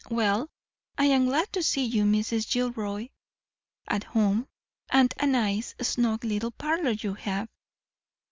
Well, I am glad to see you, Mrs. Gilroy, at home; and a nice, snug little parlor you have.